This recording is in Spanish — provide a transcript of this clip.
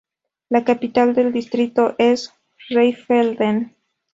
La capital del distrito es Rheinfelden.